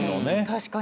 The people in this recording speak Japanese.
確かに。